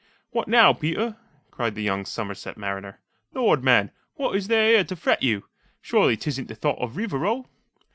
"What now, Peter?" cried the young Somerset mariner. "Lord, man, what is there here to fret you? Surely 't isn't the thought of Rivarol!"